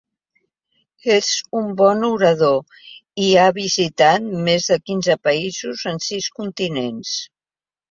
És un bon orador i ha visitat més de quinze països en sis continents.